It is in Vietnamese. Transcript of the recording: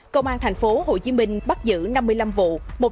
công an tp hcm bắt giữ năm mươi năm vụ